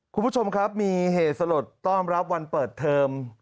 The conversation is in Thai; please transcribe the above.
คุณผู้ชมครับมีเหตุสลดต้อนรับวันเปิดเทอม